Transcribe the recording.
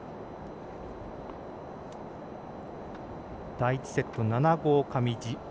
第１セット、７−５、上地。